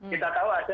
kita tahu ada